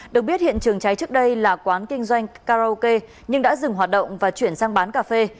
được biết hiện trường cháy trước đây là quán kinh doanh karaoke nhưng đã dừng hoạt động và chuyển sang bán cà phê